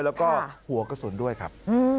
แล้วก็หัวกระสุนด้วยครับ